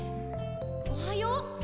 おはよう。